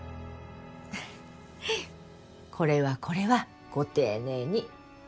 これはこれはご丁寧に。